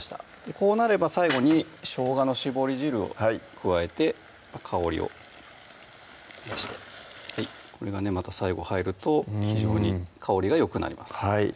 こうなれば最後にしょうがの搾り汁を加えて香りを出してこれがねまた最後入ると非常に香りがよくなります